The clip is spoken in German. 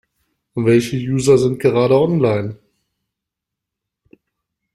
Welche User sind gerade online?